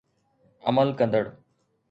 عمل ڪندڙ